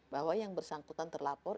bahwa yang bersangkutan terlapor